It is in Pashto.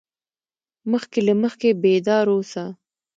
مخکې له مخکې بیدار اوسه.